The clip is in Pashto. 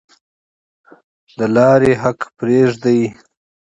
د لارې حق پریږدئ؟